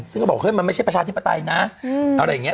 ซึ่งก็บอกครับมันไม่ใช่ประชาตินิปดับนะอะไรอย่างนี้